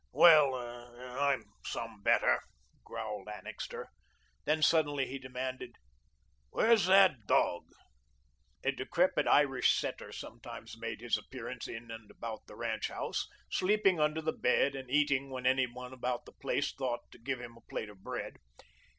"Well, I'm some better," growled Annixter. Then suddenly he demanded, "Where's that dog?" A decrepit Irish setter sometimes made his appearance in and about the ranch house, sleeping under the bed and eating when anyone about the place thought to give him a plate of bread.